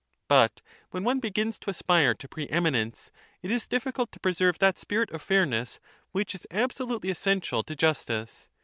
But when one begins to aspire to pre eminence, it is difficult to preserve that spirit of fairness which is absolutely essential to justice.